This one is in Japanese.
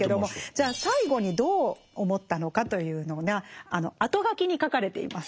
じゃあ最後にどう思ったのかというのが後書きに書かれています。